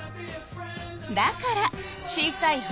だから小さい針